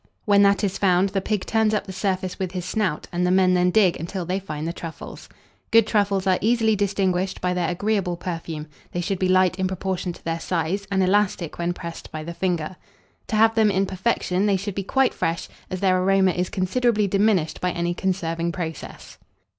When that is found, the pig turns up the surface with his snout, and the men then dig until they find the truffles. Good truffles are easily distinguished by their agreeable perfume; they should be light in proportion to their size, and elastic when pressed by the finger. To have them in perfection, they should be quite fresh, as their aroma is considerably diminished by any conserving process.